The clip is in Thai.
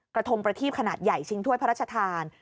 ทงประทีบขนาดใหญ่ชิงถ้วยพระราชทาน